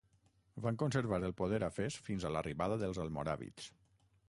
Van conservar el poder a Fes fins a l'arribada dels almoràvits.